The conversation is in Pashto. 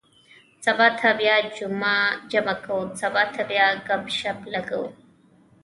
سبا ته بیا جمعه کُو. سبا ته بیا ګپ- شپ لګوو.